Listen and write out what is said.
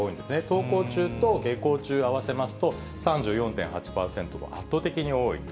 登校中と下校中合わせますと、３４．８％と、圧倒的に多いと。